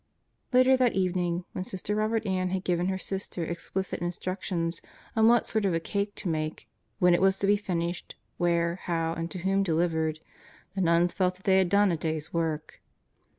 Later that evening, when Sister Robert Ann had given her sister explicit instructions on what sort of a cake to make, when it was to be finished, where, how and to whom delivered, the nuns felt that they had done a day's work.